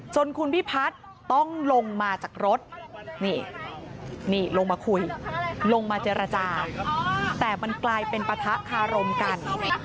คุณพิพัฒน์ต้องลงมาจากรถนี่นี่ลงมาคุยลงมาเจรจาแต่มันกลายเป็นปะทะคารมกัน